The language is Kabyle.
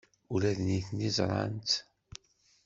Ula d nitni ẓran-tt.